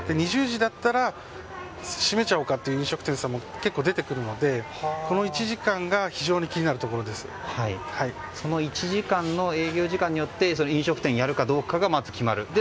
２０時だったら閉めちゃおうかという飲食店さんも結構出てくるので、この１時間がその１時間の営業時間によって飲食店やるかどうかが、まず決まる。